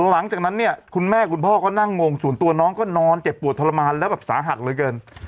หลังจากนั้นเนี่ยคุณแม่คุณพ่อก็นั่งงงส่วนตัวน้องก็นอนเจ็บปวดทรมานแล้วแบบสาหัสเหลือเกิน